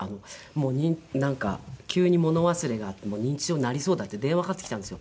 もうなんか急に物忘れが認知症になりそうだって電話かかってきたんですよ